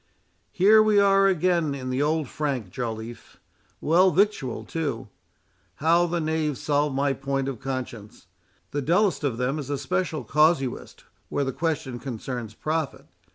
"Here we are again in the old frank, Joliffe; well victualled too. How the knave solved my point of conscience!—the dullest of them is a special casuist where the question concerns profit.